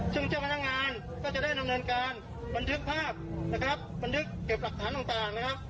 ซึ่งเจ้าพนักงานก็จะได้ดำเนินการบันทึกภาพนะครับบันทึกเก็บหลักฐานต่างนะครับ